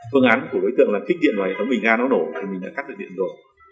phương án của đối tượng là kích điện ngoài cái bình ga nó nổ thì mình đã cắt được điện rồi